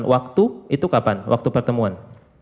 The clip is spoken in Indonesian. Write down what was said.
waktu itu kapan waktu pertemuan